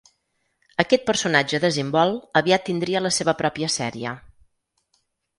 Aquest personatge desimbolt aviat tindria la seva pròpia sèrie.